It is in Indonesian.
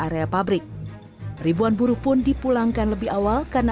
ratusan motor pun mogok